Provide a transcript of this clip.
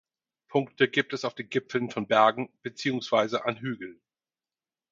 Punkte gibt es auf den Gipfeln von Bergen beziehungsweise an Hügeln.